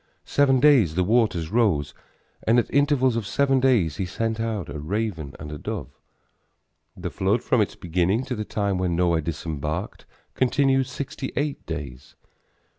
Seven days the waters rose, and at intervals of seven days he sent out a raven and a dove. The flood from its beginning to the time when Noah disembarked continued sixty eight days.